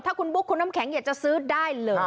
ถ้าคุณบุ๊คคุณน้ำแข็งอยากจะซื้อได้เลย